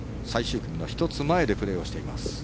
最終組の１つ前でプレーしています。